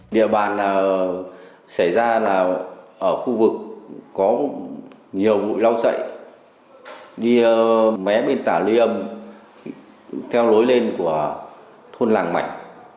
địa bàn xảy ra ở khu vực có nhiều mũi lau sậy đi mé bên tà liêm theo lối lên của thôn làng mảnh